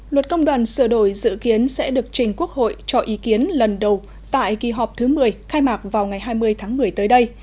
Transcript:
luật công đoàn sửa đổi dự kiến sẽ được trình quốc hội cho ý kiến lần đầu tại kỳ họp thứ một mươi khai mạc vào ngày hai mươi tháng một mươi tới đây